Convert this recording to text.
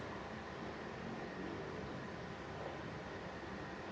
apakah ini betul kelompok anarko itu